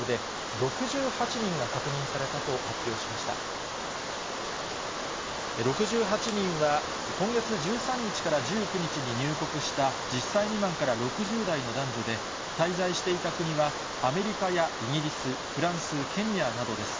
６８人は、今月１３日から１９日に入国した、１０歳未満から６０代の男女で、滞在していた国は、アメリカやイギリス、フランス、ケニアなどです。